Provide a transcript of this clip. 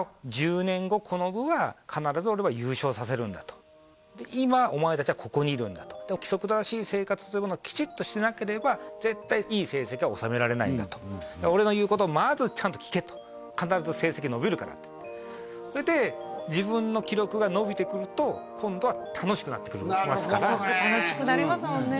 １０年後この部は必ず俺は優勝させるんだと今おまえたちはここにいるんだと規則正しい生活というものをきちっとしなければ絶対いい成績は収められないんだと俺の言うことをまずちゃんと聞けと必ず成績伸びるからっつってそれで自分の記録が伸びてくると今度は楽しくなってきますから楽しくなりますもんね